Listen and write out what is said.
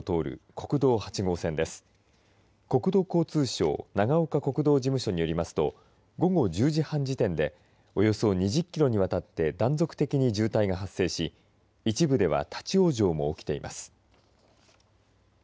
国土交通省長岡国道事務所によりますと午後１０時半時点でおよそ２０キロにわたって断続的に渋滞が発生し一部では立往生も起きています。